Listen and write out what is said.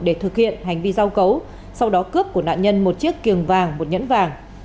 để thực hiện hành vi giao cấu sau đó cướp của nạn nhân một chiếc kiềng vàng một nhẫn vàng